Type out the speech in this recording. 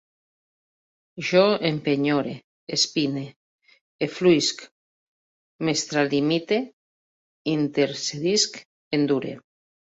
Jo empenyore, espine, efluïsc, m'extralimite, intercedisc, endure